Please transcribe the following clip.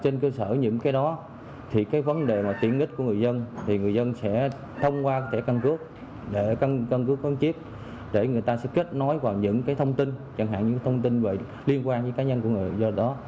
trên cơ sở những cái đó thì cái vấn đề mà tiện ích của người dân thì người dân sẽ thông qua cái thẻ căn cước để căn cứ con chip để người ta sẽ kết nối vào những cái thông tin chẳng hạn những thông tin liên quan với cá nhân của người dân đó